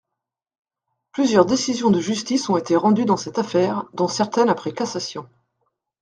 Plusieurs décisions de justice ont été rendues dans cette affaire, dont certaines après cassation.